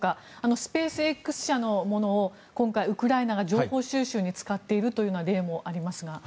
スペースＸ社のものを今回ウクライナが情報収集に使っているという例もありますが。